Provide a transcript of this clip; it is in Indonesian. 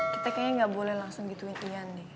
kita kayaknya gak boleh langsung gituin iyan deh